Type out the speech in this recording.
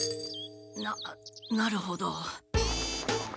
ななるほど。